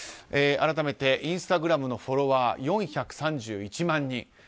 改めてインスタグラムのフォロワー４３１万人。